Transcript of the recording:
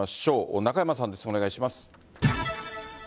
中山さんです、お願いします。